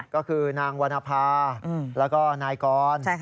ก็คือนางวรรณภาแล้วก็นายกร